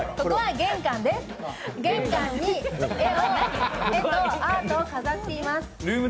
玄関に絵とアートを飾っています。